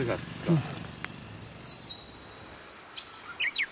うん。